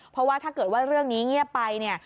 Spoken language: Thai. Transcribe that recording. เพราะว่าถ้าเกิดว่าเรื่องนี้เงียบไปเนี่ย